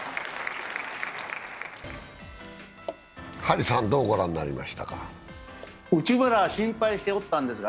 張さん、どう御覧になりましたか？